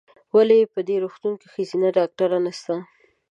ولې په دي روغتون کې ښځېنه ډاکټره نسته ؟